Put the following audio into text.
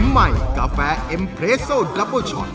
ใหม่กาแฟเอ็มเรสโซนดับเบอร์ช็อต